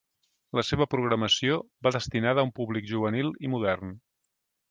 La seva programació va destinada a un públic juvenil i modern.